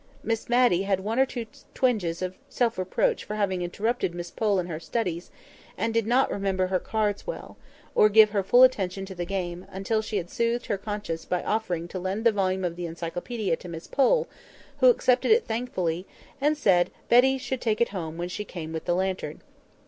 Miss Matty had one or two twinges of self reproach for having interrupted Miss Pole in her studies: and did not remember her cards well, or give her full attention to the game, until she had soothed her conscience by offering to lend the volume of the Encyclopædia to Miss Pole, who accepted it thankfully, and said Betty should take it home when she came with the lantern.